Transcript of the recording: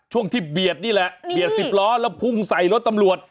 ช่วงที่เบียดนี่แหละเบียด๑๐ล้อแล้วพุ่งใส่รถตำรวจ